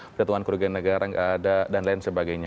perhitungan kerugian negara tidak ada dan lain sebagainya